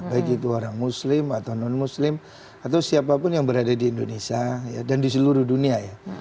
baik itu orang muslim atau non muslim atau siapapun yang berada di indonesia dan di seluruh dunia ya